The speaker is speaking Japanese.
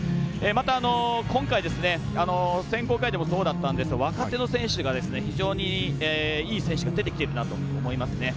また、今回選考会でもそうだったんですが若手の選手が非常にいい選手が出てきてるなと思いますね。